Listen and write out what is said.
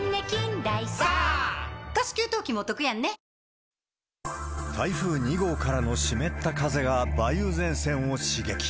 ニトリ台風２号からの湿った風が梅雨前線を刺激。